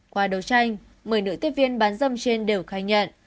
qua đấu tranh một mươi nữ tiếp viên bán dâm trên đều khai nhận